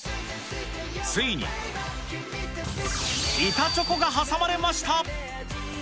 ついに、板チョコが挟まれました。